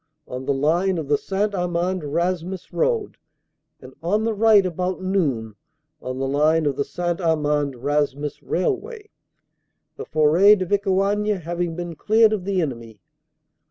on the line of the St. Amand Raismes Road, and on the right about noon on the line of the St. Amand Raismes railway, the Foret de Vicoigne having been cleared of the enemy.